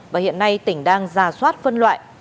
và hiện nay tỉnh đang ra soát phân loại